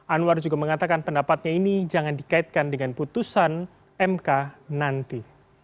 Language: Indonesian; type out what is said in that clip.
anwar juga mengatakan pendapatnya ini jangan dikaitkan dengan putusan mk nanti